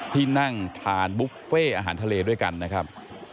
ที่นั่งทานบุฟเฟ่อาหารทะเลด้วยกันนะครับ